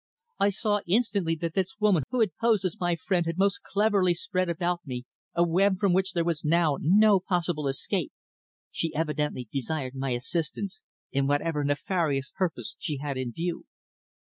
I saw instantly that this woman who had posed as my friend had most cleverly spread about me a web from which there was now no possible escape. She evidently desired my assistance in whatever nefarious purpose she had in view."